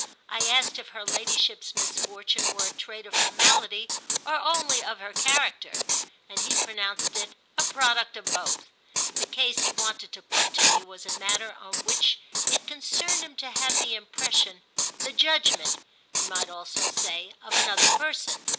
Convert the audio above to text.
I asked if her ladyship's misfortune were a trait of her malady or only of her character, and he pronounced it a product of both. The case he wanted to put to me was a matter on which it concerned him to have the impression—the judgement, he might also say—of another person.